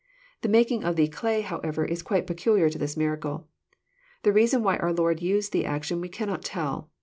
The making of the *< clay," however, is quite peculiar to this miracle. The reason why our Lord used the action we cannot tell.